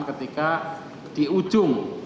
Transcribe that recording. ketika di ujung